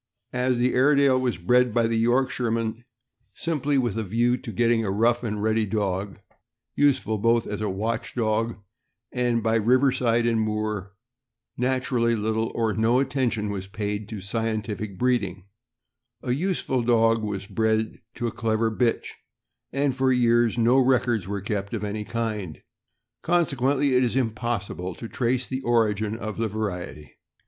As the Airedale was bred by the Yorkshiremen simply (457) 458 THE AMEEICAN BOOK OF THE DOG. with a view to getting a rough arid ready dog, useful both as a watch dog and by riverside and moor, naturally little or no attention was paid to "scientific" breeding; a useful dog was bred to a clever bitch, and for years no records were kept of any kind, consequently it is impossible to trace the. origin of the variety.